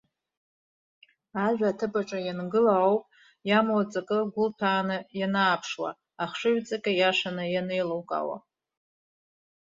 Ажәа аҭыԥаҿы иангылоу ауп иамоу аҵакы гәылҭәааны ианааԥшуа, ахшыҩҵак иашаны ианеилукаауа.